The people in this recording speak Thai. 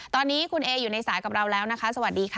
ตอนนี้คุณเออยู่ในสายกับเราแล้วนะคะสวัสดีค่ะ